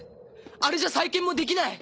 あれじゃ再建もできない！